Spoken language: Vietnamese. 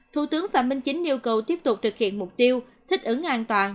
thủ tướng phạm minh chính yêu cầu tiếp tục thực hiện mục tiêu thích ứng an toàn